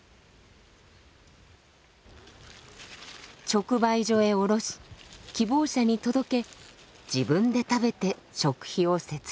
直売所へ卸し希望者に届け自分で食べて食費を節約し。